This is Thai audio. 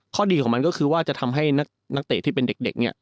ดีของมันก็คือว่าจะทำให้นักเตะที่เป็นเด็กเนี่ย